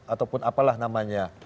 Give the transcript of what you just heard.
ataupun apalah namanya